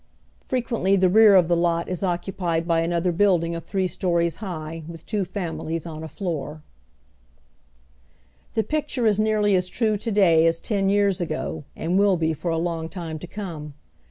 Fre quently the rear of the lot is ocenpied byanother bnilding of three stories liigh with two families on a floor." The picture is nearly as true to day as ten years ago, and will be ,y Google THE AWAKENING. 19 tor a long time to come.